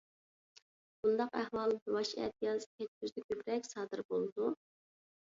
بۇنداق ئەھۋال باش ئەتىياز، كەچ كۈزدە كۆپرەك سادىر بولىدۇ.